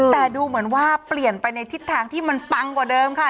แต่ดูเหมือนว่าเปลี่ยนไปในทิศทางที่มันปังกว่าเดิมค่ะ